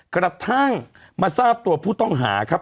กระทั่งมาทราบตัวผู้ต้องหาครับ